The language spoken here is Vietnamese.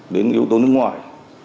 đến yếu tố nước ngoài